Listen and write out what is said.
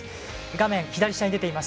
画面左下に出ています